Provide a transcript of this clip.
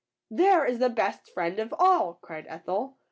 "There is the best friend of all!" cried Ethel.